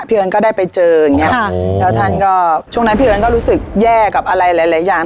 เอิ้นก็ได้ไปเจออย่างเงี้ค่ะแล้วท่านก็ช่วงนั้นพี่เอิ้นก็รู้สึกแย่กับอะไรหลายอย่าง